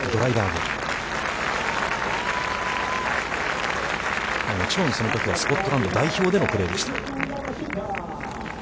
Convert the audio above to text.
もちろんそのときはスコットランド代表でのプレーでした。